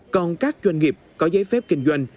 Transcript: còn các doanh nghiệp có giấy phép kinh doanh